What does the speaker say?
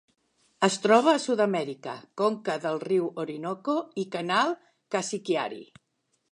Es troba a Sud-amèrica: conca del riu Orinoco i Canal Casiquiare.